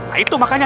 nah itu makanya